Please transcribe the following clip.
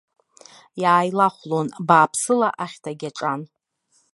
Иааилахәлон, бааԥсыла ахьҭагь аҿан.